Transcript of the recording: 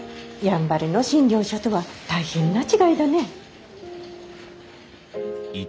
やんばるの診療所とは大変な違いだね。